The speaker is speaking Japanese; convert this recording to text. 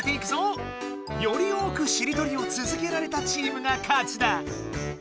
より多くしりとりをつづけられたチームが勝ちだ。